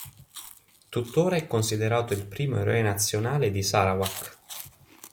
Tutt’ora è considerato il primo eroe nazionale di Sarawak.